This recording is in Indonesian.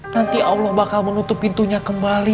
nanti allah bakal menutup pintunya kembali